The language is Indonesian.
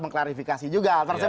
menghargai syaht ford sih